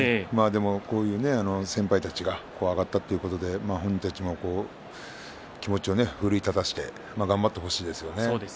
でもこういう先輩たちが上がったということで本人たちも気持ちを奮い立たせて頑張ってほしいですよね。